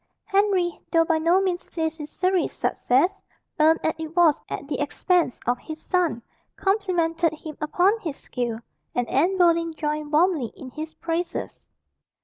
Henry, though by no means pleased with Surrey's success, earned as it was at the expense of his son, complimented him upon his skill, and Anne Boleyn joined warmly in his praises.